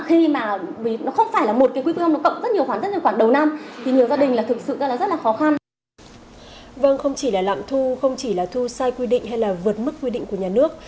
thu sai quy định hay là vượt mất quy định của nhà nước